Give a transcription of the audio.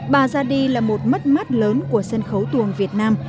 bà ra đi là một mất mắt lớn của sân khấu tuồng việt nam